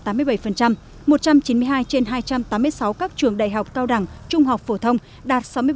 một trăm chín mươi hai trên hai trăm tám mươi sáu các trường đại học cao đẳng trung học phổ thông đạt sáu mươi bảy